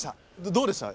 どうでした？